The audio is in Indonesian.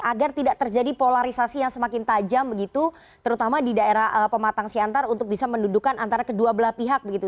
agar tidak terjadi polarisasi yang semakin tajam begitu terutama di daerah pematang siantar untuk bisa mendudukan antara kedua belah pihak begitu